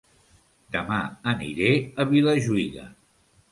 Dema aniré a Vilajuïga